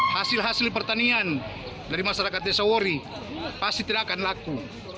hasil hasil pertanian dari masyarakat desa wori pasti tidak akan laku